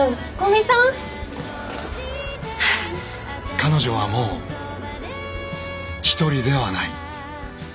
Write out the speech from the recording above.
彼女はもうひとりではない。